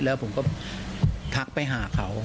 แล้วผมก็ทักไปหาเขา